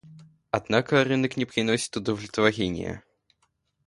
Однако рынок не приносит удовлетворения.